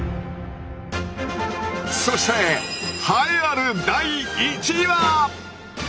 そして栄えある第１位は！